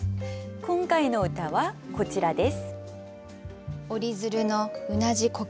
今回の歌はこちらです。